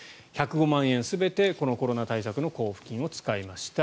１０５万円全てコロナ交付金を使いました。